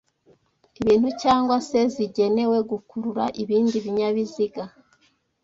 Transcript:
ibintu cyangwa se zigenewe gukurura ibindi binyabiziga